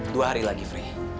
dua hari lagi frey